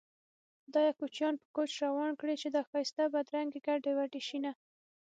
خدايه کوچيان په کوچ روان کړې چې دا ښايسته بدرنګې ګډې وډې شينه